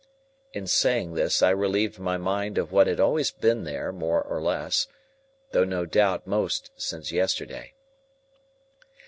In saying this, I relieved my mind of what had always been there, more or less, though no doubt most since yesterday.